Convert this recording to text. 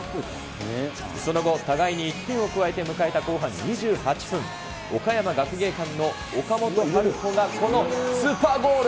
その後、互いに１点を加えて迎えた後半２８分、岡山学芸館の岡本温叶がこのスーパーゴール。